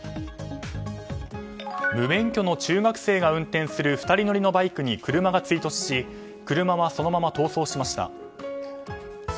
無免許の中学生が運転する２人乗りのバイクに車が追突し車はそのまま逃走しました。